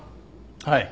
はい。